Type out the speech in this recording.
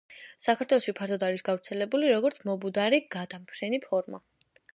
საქართველოში ფართოდ არის გავრცელებული, როგორც მობუდარი გადამფრენი ფორმა.